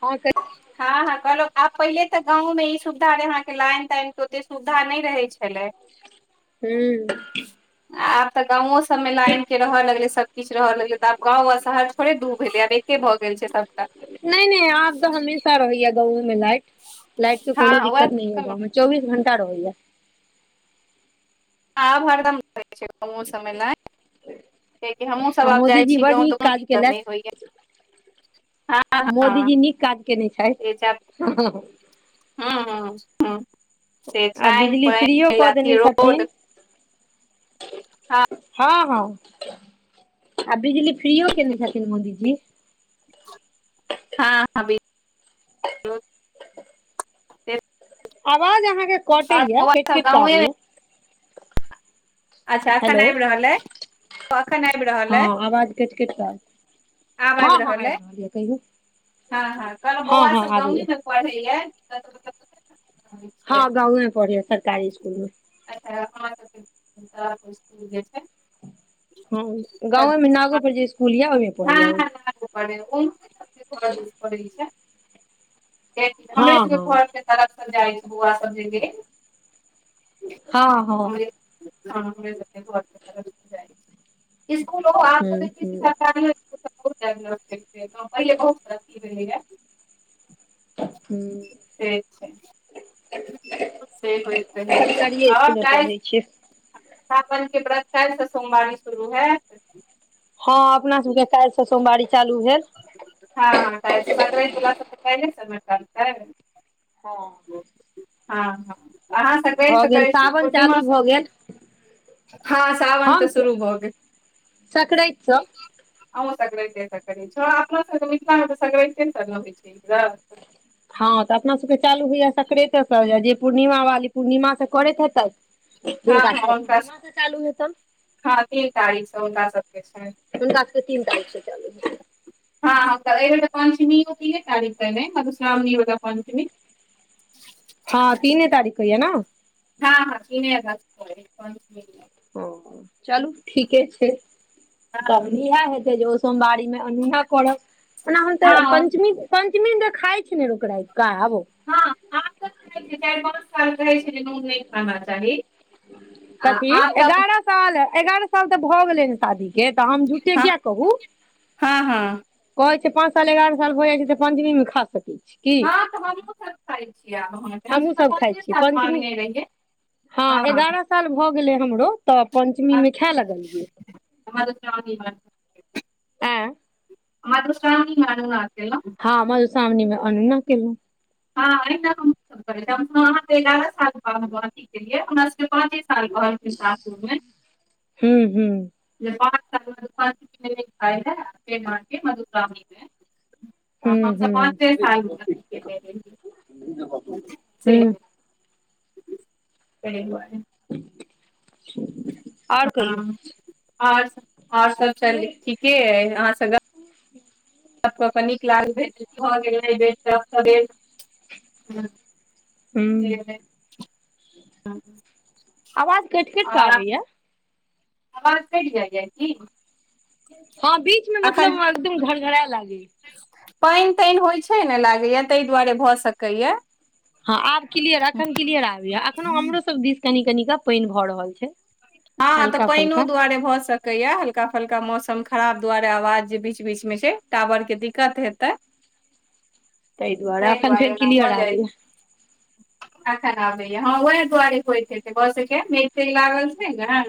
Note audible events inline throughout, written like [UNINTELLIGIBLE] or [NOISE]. हां कह हां ह कहलहु आब, पहिले तऽ गांव मे ई सुविधा रहे अहां के लाइन ताइन के ओते सुविधा नहि रहे छलय। हूं आब तऽ गाँवों सब में लाइन के रह लगले, सबकिछु रहऽ लगले तऽ आब गाँव आ शहर थोेरे दू भेलै, आब एके भऽ गेल छै सबटा नहि- नहि आब तऽ हमेशा रहये गाँंवों में लाइट। लाइट के कोनो हँ वैह दिक्कत नहि ये कहलौं गांव में, चौबीस घंटा रहैया। आब हरदम रहय छै, गांवो सब में लाइन कियकि हमहुँ सब आ आब जाइ मोदीजी छी बड गाँव, त नीक कोनो काज दिक्कत नहि केलथि होइया हँ हँ मोदीजी नीक काज केने छैथ। हं-हं से आ छनि बिजली फ्रीयो पनि कऽ अथि देने रोड छथिन हँऽ हँ -हँ, आ बिजली फ्रीओ केने छथिन मोदीजी। हां से आवाज अहाँके आओर कटैया बौआ कइट सब -कइट कऽ गाँवे आबैया अच्छा एखन हेलो आबि रहल अइ, ओ एखन आबि रहल हँ अइ आवाज कटि कटि कऽ आब हँ आइब हँ रहल आबि अय, यऽ कहियौ हँ- हँ कहलो हँ बौआ हँ सब गांवें आबैया में पढय ये हँ गांवें में पढये सरकारी स्कुल में [UNINTELLIGIBLE] हं सब गांवों में नागो पर जे स्कुल ये ओहिमे पढ़ै हँ ये ओ। [UNINTELLIGIBLE] हमरे हँ हँ सबके घर तरफ स जाइ छै, बोआ सब जे गेल। हँ- हँ। हां, हमर सबके घर के तरफ जे जाय छय, स्कुलों आ हूँ [UNINTELLIGIBLE] [UNINTELLIGIBLE] हूँ से छै से होयत रहय छय सरकारिए आउ स्कुलमे कैल। पढ़ै छियै सावन के व्रत काल्हि स सोमवारी शुरू हेत। हँ, अपना सबके काल्हि स, सोमवारी चालू भेल। हँ -हँ, केल स संकरेत बला सब त केले स न करतय। हँ। हँ, हँ, अहाँ सक्रेंत भऽ से गेल करै छी कि सावन पूर्णिमा चालू सँ? भऽ गेल हँ, साावन तऽ हम शुरू भऽ गेल। सकरातिसँ अहूँ सक्रैंते सँ करै छी हँ, अपना सभके मिथिलामे सक्रैते सँ नऽ होइ छै इ व्रत। हँ, तऽ अपना सभके चालू होइयऽ सक्रैते सँ, ज-जे पूर्णिमा वाली पूर्णिमा से कऽरैत हेतैथ हँ तिनका सभके हँ हुनका पूर्णिमा से चालू हेतैन। हँ, तीन तारीख सँ हुनका सभके छैन। हुनका सबके तीन तारीख से चालू हेतै हँ, हँ, तऽ अइबेर तऽ पञ्चमीयो तीने तारीक कऽ ने, मधुश्रावणी वला पञ्चमी। हँ, तीने तारीख होइए ने। हँ, हँ, तीने अगस्त कऽ रहै पञ्चमीयो। ओ चलू, ठीके छै। हँ तब इहै हेतै जे ओ सोमवारी नै अनूना करब, एना हम तऽ हँ पंचमी-पंचमी द खाय छैने लोक राईत कऽ आबो। हँ, आब तऽ खाय छै। चारि-पाँच साल कहै छलै नोन नै खाना चाही। आ की, आब तऽ एगारह साल-एगारह साल तऽ भऽ गेलै ने शादी के तऽ हम झूठ्ठे किया कहू? हाँ-हाँ कहै छै पाँच साल एगारह साल भऽ जाय छै तऽ पंचमीं मे खा सकै छी। की हँ, तऽ हमहुँ सब खाय छीयै [UNINTELLIGIBLE] हम सब हमहूँ तऽ खाइ पाँचे छियै साल पंचमी मांगने रहियै। हँ, एगारह साल भऽ गेलै हमरो, तऽ पञ्चमीमे खैए लगलियै। [UNINTELLIGIBLE] आँय मधुश्रावणी मे नुआ हां, मधुश्रावणी में अनुना केलौं। हँ, अहिना हमहु सभ [UNINTELLIGIBLE] अहाँके एगारह साल बाद [UNINTELLIGIBLE] केेलियै, हमरा सबके पाँचे साल कहलखिन सासुर में। हूँ-हूँ जे पांच साल मधुश्रावणी में नई खायले, फेर माँ के मधुश्रावणी में हूँ तऽ हम सब हूँ पाँचे साल मे अथी केने रहियै। [UNINTELLIGIBLE] [UNINTELLIGIBLE] हूँ तै दुआरे। आओर कहियौ हँ, आओर सब आओर सब [UNINTELLIGIBLE] ठीके अय आहा से गप्प गप्प कऽ के नीक लागलैह [UNINTELLIGIBLE] भऽ गेलै [UNINTELLIGIBLE] से हूँ नहि आवाज कैट-कैट कऽ आओर आबैयऽ। आवाज कैट जाइय कि। हँ, बी अखन पाइन-ताइन होय छै नऽ लागैयऽ तै दुआरे भऽ सकैयऽ। हँ, आब क्लियर अखन क्लियर आबै यऽ अखनो हमरो सब दिस कनि-कनि कऽ पाइन भऽ रहल छै। आ तऽ हल्का पाइनो फल्का दुआरे भऽ स कैयऽ, हल्का-फल्का मौसम खराब दुआरे आवाज जे बीच-बीच मे छै, टावर के दिक्कत हेतै। ताहि तय एखन दुआरे फेर ऐना क्लियर भऽ जाय आबैया अखैन आबैयऽ हँ, वएह दुआरे होइत हेतै भऽ सकैयऽ, मेघ-तेघ लागल छै ने।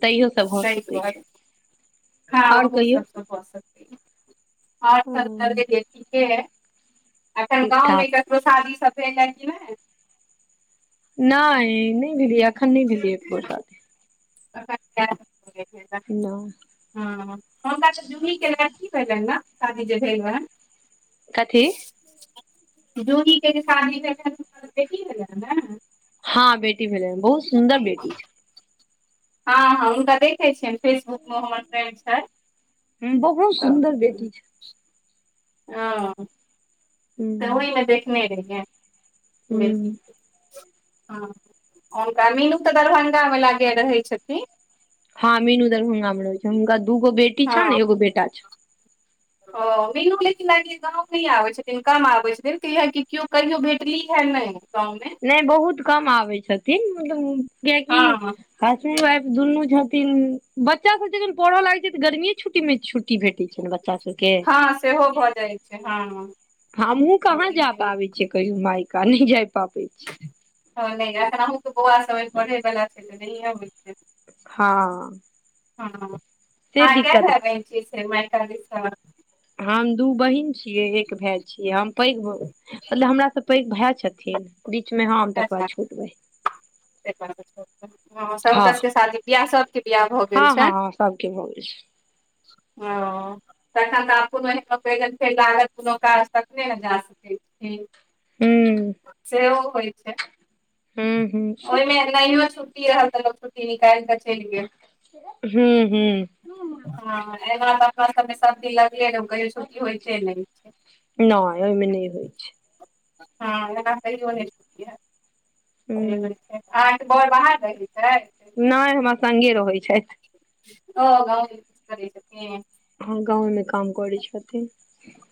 तैयो सब भऽ सही सकै छै [UNINTELLIGIBLE] हँ, आओर ओहो कहियौ सब सँ भऽ सकयऽ। और सभ तऽ लेके ठीके हय। अखन ठीक गाँवमे ठाक ककरो शादी सब भेल हन कि नै। नइ- नै भेलैयऽ, अखन नै भेलैयऽ कोय शादी। [UNINTELLIGIBLE] रहै। नई हँ हमरा तऽ जूही के लड़की भेलनि ने शादी जे भेल रहैन। कथी? जूही के जे शादी भेलाईन हुनका त बेटी भेलाइन न [UNINTELLIGIBLE] हँ बेटी भेलै बहुत सुन्दर बेटी छैन। हँ-हँ हुनका देखै छियनि फेसबुकमे हमर फ्रेंड छथि। हूं बहुत सुन्दर बेटी छै। हँ हूँ तऽ ओहिमे देखने रहियै बेटी हूँ के। हं हुनका मीनू तऽ दरभंगामे लागे रहै छथिन। हँ मीनू दरभंगा मे रहै छै हूनका दूगो बेटी छन हँ एगो बेटा छै। ओ मीनू लेकिन लागेया गाँव नहि आबैत छथिन कम आबैत छथिन कियाकि केओ कहियो भेटली है नहि। गाँव मे नहि बहुत कम आबै छथिन मतलब कियाकि हँ हसबैंड वाइफ दुनू छथिन बच्चा सब जखन पढ़ऽ लागै छै तऽ गर्मीे छुट्टींमे छु टी भेटै छै ने बच्चा सबके। हँ सेहो भऽ जाइ छै हँ। हमहुँ तऽ कहाँ जा ओहिमे पाबै छै कहियो मायका नहि जाय पाबै। छी हँ नहि एखन अहूँके बौआ सभ ऐ पढ़ैवला छै तऽ नहिए होइ छै। हँऽ हँ आहाँ कै भाय बहिन छियै से मायका दिस सँ-? हम दू बहिन छियै एक भाय छियै हम। पैघ मतलब हमरासँ पैघ भए छथिन बीचमे हम तकबाद अच्छा छोट बहिन। हँ हँ शतसके [UNINTELLIGIBLE] शादी बिआह सब। क्रिया भऽ गेल हँ छै हँ हँ सबके भऽ गेल छै ओ। तखन तऽ आब कोन फेर लागत कोनो काज तकने ने जा सकै छै। ई हूँ सेहो होइ छै। हूँ। ओहिमे नहियो छुट्टी रहल तऽ लोक छुट्टी निकाइल कऽ चलि गेल। हं हूँ। हँ एना तऽ अपना सबके सब दीन लगले ने कहियो छुट्टी होइते नहि छै। नै अहिमे नहि होइ छै। हँ एना कहियो नै छुट्टी होइत। से होइ हूँ छै आहाँ के बर बाहर रहैत छैथ। नहि हमरा संगे रहैत छैथ। ओ ग [UNINTELLIGIBLE] करै‌ सकिन। हँ गाँवमे काम करै छथिन।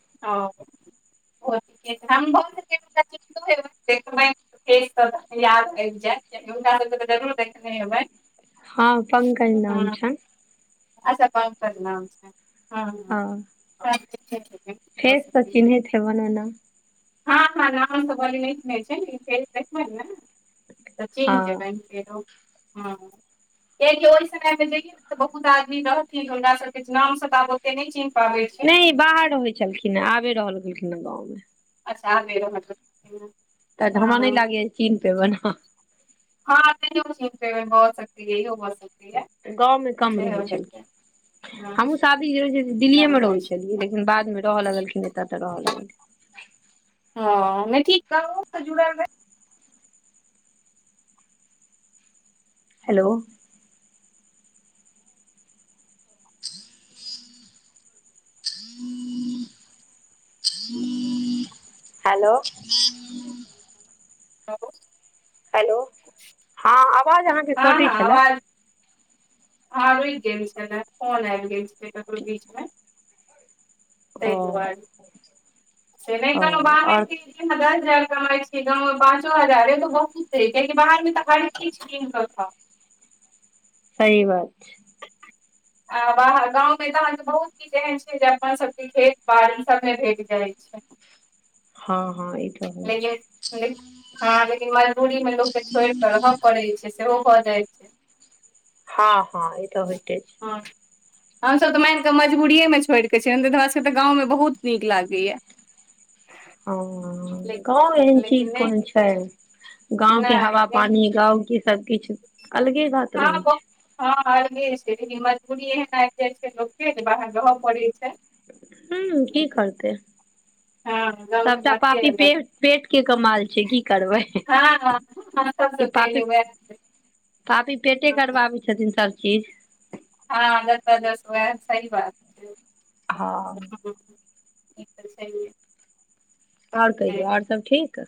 ह [UNINTELLIGIBLE] देखबै। के सब याद आबि जायत हुनका सबके तऽ जरूर देखने हेबैन। हँ पंकज नाम छैन। अच्छा पंकज नाम छैन [UNINTELLIGIBLE] हँ बस‌ भऽ फेस तऽ चिन्हैत सकैया हेबनि ओना [UNINTELLIGIBLE] हँ हँ नाम सब [UNINTELLIGIBLE] छै फे देखबै ने तऽ चल हँ जेबै। [UNINTELLIGIBLE] ह एक कि ओहि समय जा ने त बहुत बहुत आदमी रहथिन जे हुनका सबके नाम से तऽ आब ओते नहि चिन्ह पाबै छियै। नहि बाहर रहैत छलखिन है आबे रऽहऽ लगलखिन है गाँवमे। अच्छा आबे रहऽ मतलब [UNINTELLIGIBLE] [UNINTELLIGIBLE] तऽ हमरा नैय लागैया चिन्ह पेबन अहाँ। हँ नहियो चिन्ह पेबैन भऽ सकैया इहो भऽ सकैया। गाँवमे कम रहै छलखिन हँ हमहुँ सब [UNINTELLIGIBLE] कम दिल्लीएमे रहै छै छलियै लेकिन बाद में रहऽ लगलखिन एतऽ तऽ रहऽ लगलिए। हँ नै ठीक गाँवो स जुड़ैल‌ रहै हेलो। हेलो। हँ [UNINTELLIGIBLE] हेलो हँ आवाज अहाँके हँ कटै हँ छलै। आवाज हँ रुइक गेल छेलै फोन आइब गेल छेलै ककरो बीच में। ओ तैय दुआरे से नइ ओ कहलऊं बाहर आओर के तीन हजार जे अहाँ कमाय छी गाँव में पाँचो हजार अय तऽ बहुत अय कियैकि बाहर में तऽ हर चीज कीन कऽ खाऊ। सही बात छै। आ बाहर गाँवमें तऽ अहाँके बहुत चीज एहेन छै जे अपन सबके खेत बाड़ी सबमे भेट जाइ छै। हँ हँ ईट लेकिन ले हँ लेकिन मजदूरीमे लोकके छोइड़कऽ रहऽ पड़ै छै से सेहो भऽ जाइ छै। हँ हँ ई तऽ होइते छैय। हँ हमसभ तऽ माइन कऽ मजबूरिये में छोइड़ कऽ छियैन नै तऽ हमरा सबके तऽ गाँवमे बहुत नीक लागैइयै। ओ गाँव एहन लेकिन चीज नहि कोनो छै? गांव के नहि हवा नहि पानी गांव के सबकिछ अलगे बात रहै हँ बहुत छै। हँ अर्गे छै लेकिन मजबूरीए एहन आइब जाय छै लोकके जे बाहर रहऽ पड़ै छै। हूं की करतै हँ गाँवके सबटा बाते पापी पे अलग पेट के कमाल छै की करबै। हँ हँ हँ सबसँ ई पहिले पापी वएह छै पापी पेटे करबाबै छथिन सब चीज। हँ जतऽ जस वैह सही बात। हँ। हम्म ई तऽ छैयहे। और कहियौ और सब ठीक?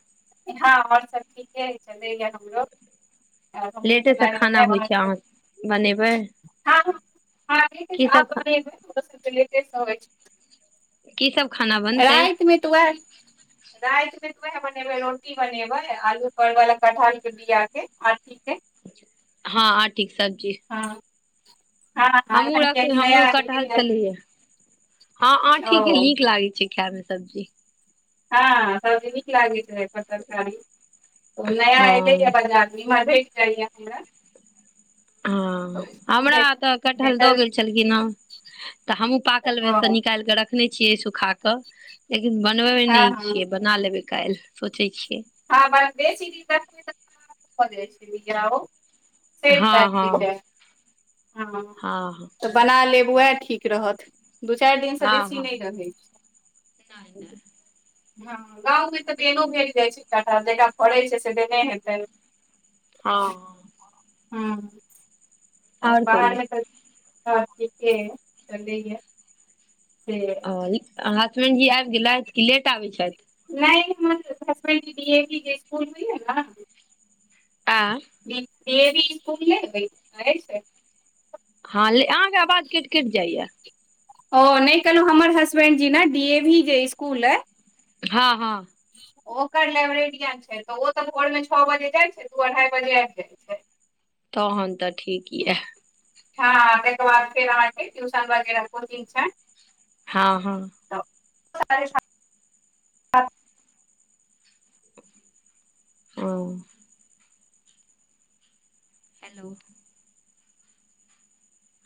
हँ और सब ठीके चलैए हमरो। [UNINTELLIGIBLE] लेटे से खाना होइ छै अहाँ बनेबै हँ [UNINTELLIGIBLE] आब की सब खा बनेबै बौआ सब तऽ लेटे स अबै छै। की सब खाना बनतै राइत में तऽ वैह राइत में तऽ वैह बने बनेबै रोटी बनेबै आलू परवाला कटहल के बिआ के अथी के हँ आँठीक सब्जी। हँ। हँ हमहुँ एखन रख कियाकि नया हमरो एलै कटहल हे छलहैये। हँ आँठी के ओ नीक लागै छै खै में सब्जी। हँ [UNINTELLIGIBLE] नीक लागैत रहै एकर तरकारी नया हँ एलैया बाजार नीमन भेट जाइयै। हमरा हँ तऽ हमरा भेट तऽ कटहल द भेटल गेल छलखिन ह, तऽ हमहु पाकल मे से हँ कनी निकालि के रखने छियै सुखा कऽ, लेकिन बनबै हँ नै हँ छियै, बना लेबै काल्हि। सोचै छियै। हँ ब बे सी बीज [UNINTELLIGIBLE] से हँ त हँ ठीके। हँ। तऽ बना लेब वैह ठीक रहत। दू चारि दिनसँ हँ बेसी हँ नहि रहै छै। हँ गाँवमे तऽ बेनो भेट जाइ छै कटहल, जकरा फरैत हेतै से देने हेतै। हँ। हुं आओर कहियौ बाहरमे तऽ ठीके चलैए। छियै। हसबेंड जी आबि गेलथि, कि लेट आबै छथि। नहि हमर हसबैंड डी ए पी के इसकुल होइये ने एं। ई डी ए वी स्कूल नइ होइत छैक हँ लेकिन अहाँ के आवाज कइट-कइट जाइये। ओ नहि कहलहुॅं, हमर हसबेंड जी ने डी ए वी जे स्कूल अइ हँ हँ। ओकर लाइब्रेरियन छैथ, तऽ ओ तऽ भोर में छओ बजे जाइ छैथ तऽ ओ अढ़ाई बजे आबि जाइ छैथ। तखन त ठीक ये। हँ तकर बाद फेर अहाँके ट्यूशन वगेरह कोचिंग छैन। हँ हँ। तऽार [UNINTELLIGIBLE] ओ। हेलो।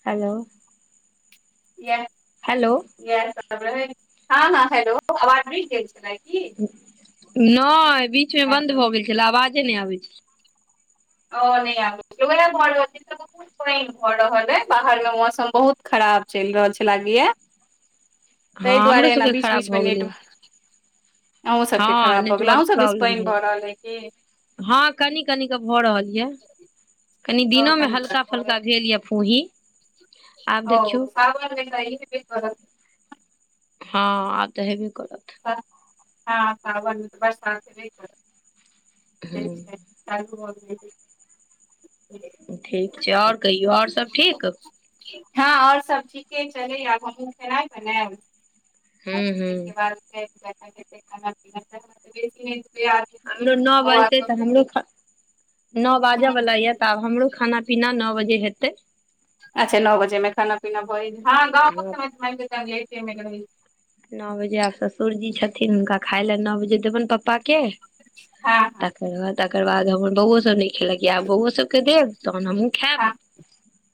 हेलो। ए [UNINTELLIGIBLE] हेलो। इएह सब तब रहै छै। हँ हँ हेलो आवाज नय जाय छलैन। नइ बीच मे बन्द हेलो भऽ गेल छले, आवाजे नहि आबै छले। और नहि आयब। अगर ओहि घर रहतै तब। खुब पानि परि रहल ऐ, बाहर मे मौसम बहुत खराब चलि रहल छै लागै ये। तै हँ हमरो दुआारे एना सबके बीच खराब भऽ बीचमे गेलै नेटवर्क अहूँसभके हँ खराब भऽ गेले। नेटवर्क अहूँसभ दीस प्रॉब्लम भेल पैनभऽ रहल अछि कि। हँ कनि कनि के भऽ रहल ये। कनी ओ दिनोमे कनी हल्का-फुल्का भेल ये फूही। आब देखियौ और सावन मे तऽ ई हैयबे करत। हँ आब तऽ हेबे करत। हँ साबन मे तऽ बरसा हेबे करत। ठीक छै। हूँ राइत भऽ गेल ये। ठीक छै। आओर कहियौ आओर सब ठीक। हँ आओर सब ठीके छै। कनी आब हमहुँ खेनाय बनायब। आ हूँ हूँ ताहि के बाद सब खाना-पीना खेतय। खाना-पीना खा कऽ सुतय के प्रयास। हमरो नौ बजितै तऽ हमरो खा नो बाजऽ वाला यऽ, तऽ आब हमरो खाना-पीना नो बजे हेतै। अच्छा नौ बजेमे खाना-पीना भऽ ए, हँ गाँवों [UNINTELLIGIBLE] मे मानिके चलू एहि टाइम [UNINTELLIGIBLE] नौ बजे आब ससुरजी छथिन, हुॅंनका खाय ले नौ बजे देबनि पप्पा के। हँ हँ तकर बाद, तकर बाद हमर बौओ सब नय खेलक यऽ। आब बौओ सब के देब, तहन हमहुँ खायब। हँ [INAUDIBLE]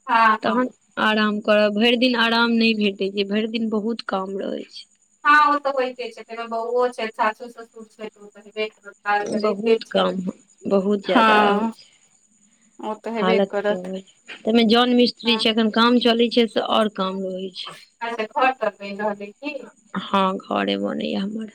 हँ। हँ तहन आराम करब। भरि दिन आराम नहि भेटय छै। भरि दिन बहुत काम रहै छै। हँ, ओ तऽ होइते छै। तैमे बउवो छै, सासो-ससुर छै, तऽ उ त हेबै करत। काज तऽ रहिते बहुत छै काम, बहुत जादा होय हँ छै। ओ तऽ हेबे हालत [UNINTELLIGIBLE] करत ताहि मे जोन-मीस स्त्री हाँ छै। एखन काम चलै छै से और काम रहै छै। हँ, अच्छा घर तर बनि रहलै की घऽरे बनैयऽ हमर।